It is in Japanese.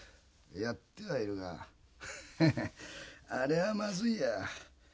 やってはいるがあれはまずいや。